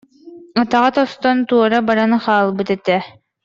атаҕа тостон туора баран хаалбыт этэ